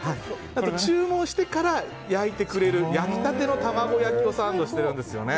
注文してから焼いてくれる焼きたての卵焼きをサンドしているんですよね。